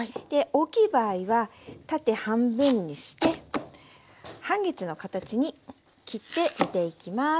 大きい場合は縦半分にして半月の形に切って煮ていきます。